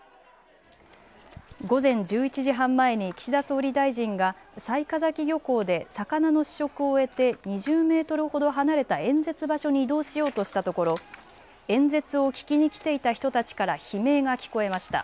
午前１１時半前に岸田総理大臣が雑賀崎漁港で魚の試食を終えて２０メートルほど離れた演説場所に移動しようとしたところ演説を聞きに来ていた人たちから悲鳴が聞こえました。